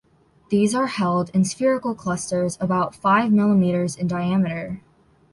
These are held in spherical clusters about five millimetres in diameter.